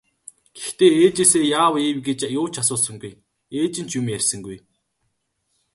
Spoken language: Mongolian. Гэхдээ ээжээсээ яав ийв гэж юу ч асуусангүй, ээж нь ч юм ярьсангүй.